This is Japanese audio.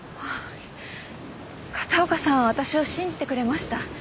片岡さんは私を信じてくれました。